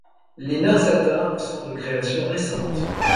Les nains satin sont de création récente.